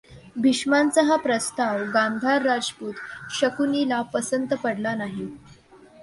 भीष्मांचा हा प्रस्ताव गांधार राजपुत्र शकुनीला पसंत पडला नाही.